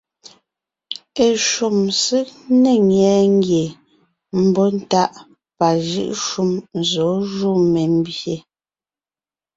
Eshúm ség ne ńnyɛɛ ngie mbɔ́ntáʼ pajʉ́ʼ shúm zɔ̌ jú membyè.